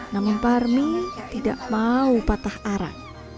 namun parmi tidak mau patah arah